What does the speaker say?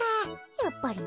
やっぱりね。